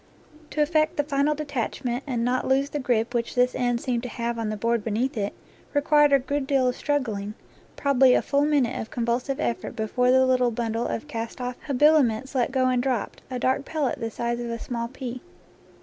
To effect the final detachment, and not lose the grip which this end seemed to have on the board beneath it, required a good deal of struggling, probably a full minute of convulsive effort before the little bundle of cast off habiliments let go and dropped, a dark pellet the size of a small pea.